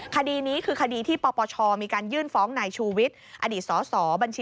คดีนี้คือคดีที่ปปชมีการยื่นฟ้องในชูวิทย์